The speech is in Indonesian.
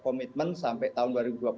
komitmen sampai tahun dua ribu dua puluh empat